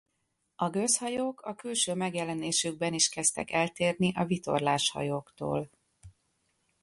A gőzhajók a külső megjelenésükben is kezdtek eltérni a vitorlás hajóktól.